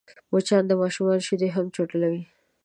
مچان د ماشوم شیدې هم چټلوي